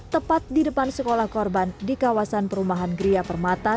tepat di depan sekolah korban di kawasan perumahan gria permata